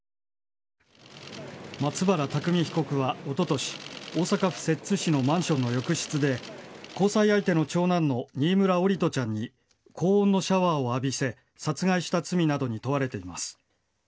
松原拓海被告はおととし大阪府摂津市のマンションの浴室で交際相手の長男の新村桜利斗ちゃんに高温のシャワーを浴びせ殺害した罪などに問われています。